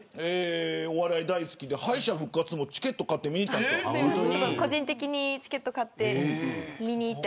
お笑い大好きで敗者復活をチケットを買って見に行った。